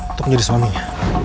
untuk menjadi suaminya